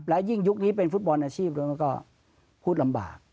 และยิ่งยุคนี้เป็นฟุตบอลอาชีพด้วยมันก็พูดลำบาก